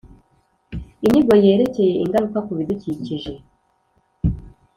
inyigo yerekeye ingaruka ku bidukikije